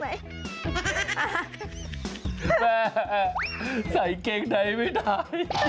แม่ใส่เกงในไม่ได้